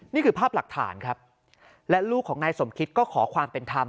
นี่คือภาพหลักฐานครับและลูกของนายสมคิตก็ขอความเป็นธรรม